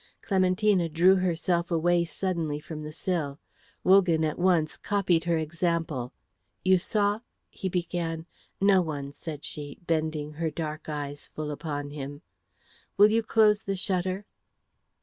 Clementina drew herself away suddenly from the sill. Wogan at once copied her example. "You saw ?" he began. "No one," said she, bending her dark eyes full upon him. "Will you close the shutter?"